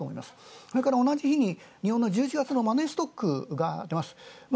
それから同じ日に日本の１１月のマネーストックが出ます。